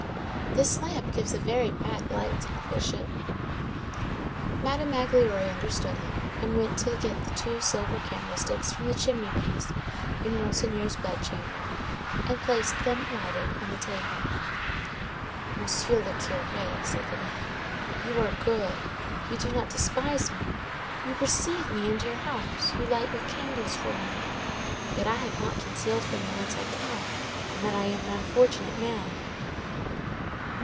"This lamp gives a very bad light," said the Bishop. Madame Magloire understood him, and went to get the two silver candlesticks from the chimney piece in Monseigneur's bed chamber, and placed them, lighted, on the table. "Monsieur le Curé," said the man, "you are good; you do not despise me. You receive me into your house. You light your candles for me. Yet I have not concealed from you whence I come and that I am an unfortunate man."